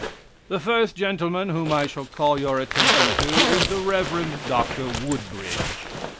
"The first gentleman whom I shall call your attention to is the Rev. Dr. Woodbridge.